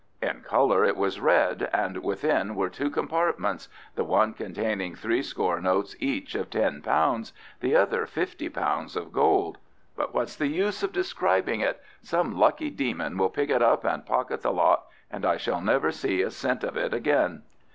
"In colour it was red, and within were two compartments, the one containing three score notes each of ten pounds, the other fifty pounds of gold. But what's the use of describing it? Some lucky demon will pick it up and pocket the lot, and I shall never see a cent of it again."